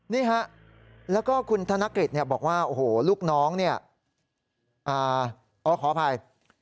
นี่ฮะแล้วก็คุณธนกฤษบอกว่าโอ้โหลูกน้องเนี่ยขออภัย